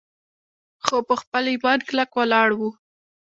خو پۀ خپل ايمان کلک ولاړ وو